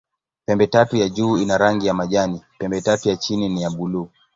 Pembetatu ya juu ina rangi ya majani, pembetatu ya chini ni ya buluu.